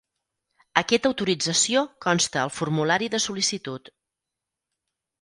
Aquesta autorització consta al formulari de sol·licitud.